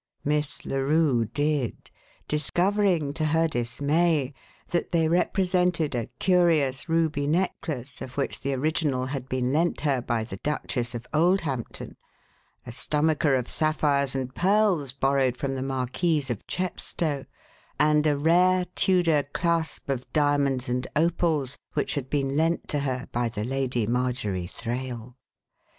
Miss Larue did, discovering, to her dismay, that they represented a curious ruby necklace, of which the original had been lent her by the Duchess of Oldhampton, a stomacher of sapphires and pearls borrowed from the Marquise of Chepstow, and a rare Tudor clasp of diamonds and opals which had been lent to her by the Lady Margery Thraill.